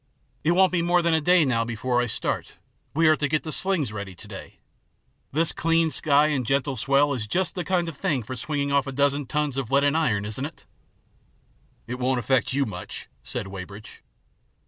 It won't be more than a day now before I start. We are to get the slings ready to day. This clean sky and gentle 6 74 THE PLATTNER STORY AND OTHERS swell is just the kind of thing for swinging off a dozen tons of lead and iron ; isn't it ?"" It won't affect you much," said Weybridge.